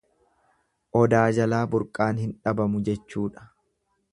Odaa jalaa burqaan hin dhabamu jechuudha.